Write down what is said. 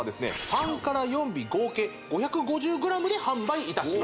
３４尾合計５５０ｇで販売いたします